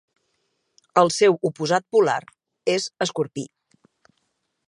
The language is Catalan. El seu oposat polar és Escorpí.